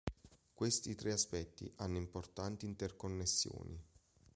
Questi tre aspetti hanno importanti interconnessioni.